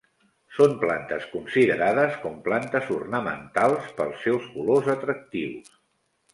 Són plantes considerades com plantes ornamentals pels seus colors atractius.